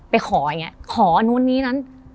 ไปขออย่างนี้ขอนู้นนี้นั้น